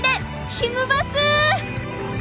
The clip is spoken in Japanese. ひむバス！